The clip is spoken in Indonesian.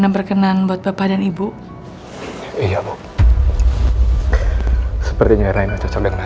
eh eh kamu tenang dulu ya sayang ya kamu tenang